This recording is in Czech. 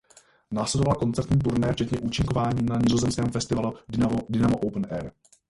Následovala koncertní turné včetně účinkování na nizozemském festivalu Dynamo Open Air.